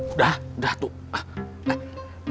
udah udah tuh